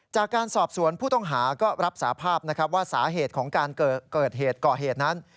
จากการสอบสวนผู้ต้องหาก็รับสาภาพนะครับว่าสาเหตุของการเกิดเหตุก่อเหตุนั้น